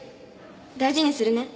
大事にするね。